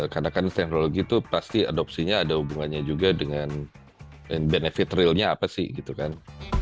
karena kan teknologi itu pasti ada hubungannya juga dengan benefit realnya apa sih gitu kan